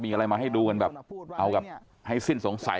มีอะไรมาให้ดูกันแบบเอาแบบให้สิ้นสงสัย